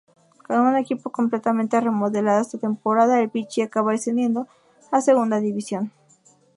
Con un equipo completamente remodelado esa temporada, el Vichy acaba descendiendo a Segunda División.